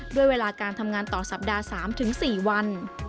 ด้วยเวลาการทำงานต่อสัปดาห์๓๔วัน